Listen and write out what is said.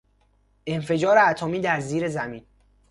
انفجار اتمی در زیر زمین